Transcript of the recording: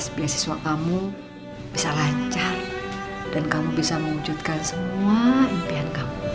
siapa yang ulang tahun